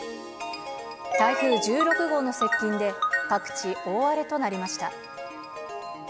台風１６号の接近で、各地大荒れとなりました。